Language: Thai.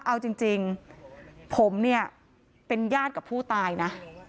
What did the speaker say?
เอาจริงผมเนี่ยเป็นญาติกับผู้ตายนะ